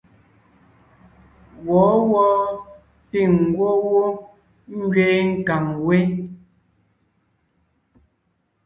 Wɔ̌wɔɔ píŋ ngwɔ́ wó ngẅeen nkàŋ wé.